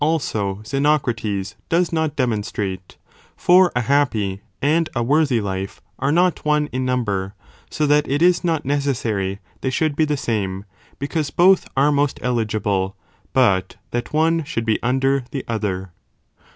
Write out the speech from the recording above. also Xenocrates does not demonstrate, for a happy, and a worthy life, are not one in number, so that it is not necessary they should be the same, because both are most eligible, but that one should be under the other.